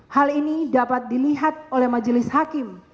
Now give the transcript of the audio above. hal ini dapat dilihat oleh majelis hakim